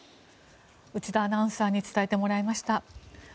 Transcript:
内田アナウンサーに伝えてもらいました。